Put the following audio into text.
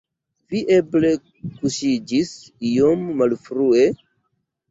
Vi eble kuŝiĝis iom malfrue?